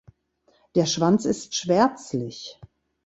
Der Schwanz ist schwärzlich.